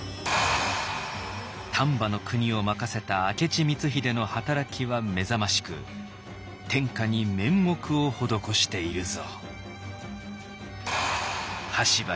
「丹波国を任せた明智光秀の働きはめざましく天下に面目を施しているぞ」。